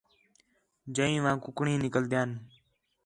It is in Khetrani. جئیں واں کُکڑیں نِکلدیان